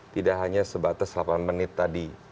tidak hanya sebatas delapan menit tadi